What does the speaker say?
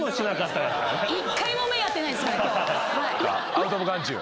アウトオブ眼中。